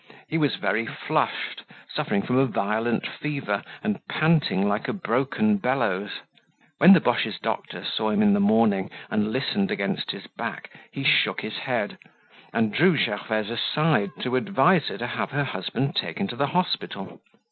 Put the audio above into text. He was very flushed, suffering from a violent fever and panting like a broken bellows. When the Boches' doctor saw him in the morning and listened against his back he shook his head, and drew Gervaise aside to advise her to have her husband taken to the hospital.